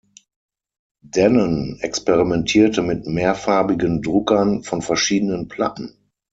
Denon experimentierte mit mehrfarbigen Drucken von verschiedenen Platten.